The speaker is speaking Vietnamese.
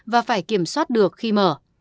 và phải kiểm soát được khi mở